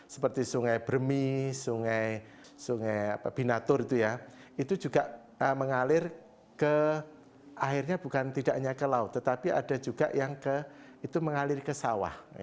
seperti sungai bermi sungai sungai binatur itu ya itu juga mengalir ke airnya bukan tidak hanya ke laut tetapi ada juga yang mengalir ke sawah